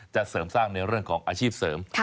เสริมสร้างในเรื่องของอาชีพเสริม